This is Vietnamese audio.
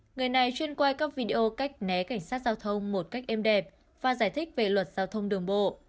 người này chuyên quay các video cách né cảnh sát giao thông một cách êm đẹp và giải thích về luật giao thông đường bộ